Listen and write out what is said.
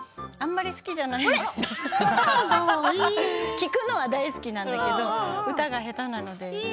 聴くのは大好きなんだけど歌が下手なので。